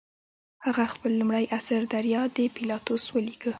هغه خپل لومړی اثر دریا د پیلاتوس ولیکه.